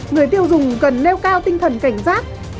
người tiêu dùng cần nêu cao tinh thần cảnh giác